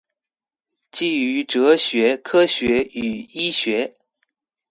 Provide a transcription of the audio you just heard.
基於哲學、科學與醫學